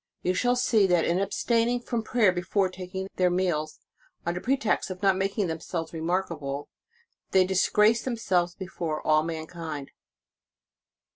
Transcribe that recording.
You shall see that in abstaining from prayer before taking their meals, under pretext of not making themselves remarkable, they disgrace themselves before all mankind.